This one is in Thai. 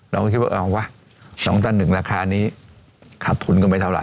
เราก็คิดว่าเอาไงวะสองตั้นหนึ่งราคานี้ขาดทุนกันไปเท่าไร